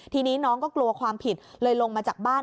ทีนี้น้องก็กลัวความผิดเลยลงมาจากบ้าน